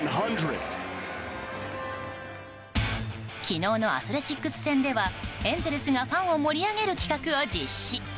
昨日のアスレチックス戦ではエンゼルスがファンを盛り上げる企画を実施。